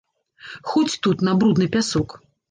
Хоць тут, на брудны пясок.